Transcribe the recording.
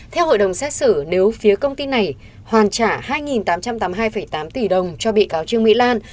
theo hội đồng xét xử nếu phía công ty này hoàn trả hai tám trăm tám mươi hai tám tỷ đồng cho bị cáo trương mỹ lan